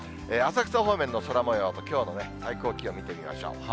浅草方面の空もようと、きょうの最高気温、見てみましょう。